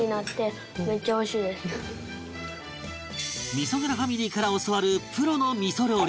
味噌蔵ファミリーから教わるプロの味噌料理